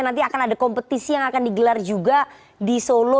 nanti akan ada kompetisi yang akan digelar juga di solo